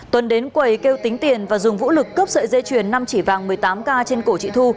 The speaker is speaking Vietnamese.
tuấn đến quầy kêu tính tiền và dùng vũ lực cướp sợi dây chuyền năm chỉ vàng một mươi tám k trên cổ chị thu